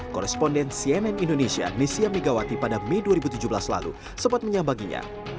koresponden cnn indonesia nesya megawati pada mei dua ribu tujuh belas lalu sempat menyambanginya